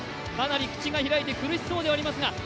かなり口が開いて苦しそうではありますが。